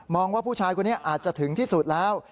ว่าผู้ชายคนนี้อาจจะถึงที่สุดแล้ว